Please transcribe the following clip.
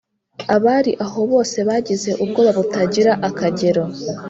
abari aho bose bagize ubwoba butagira akagero